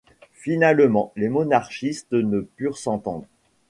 Finalement, les monarchistes ne purent s'entendre.